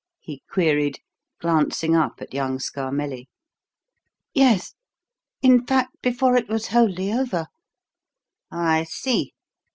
he queried, glancing up at young Scarmelli. "Yes; in fact, before it was wholly over." "I see.